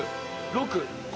６。